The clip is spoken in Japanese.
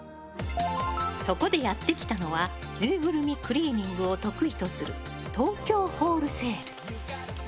そこでやってきたのはぬいぐるみクリーニングを得意とする東京ホールセール。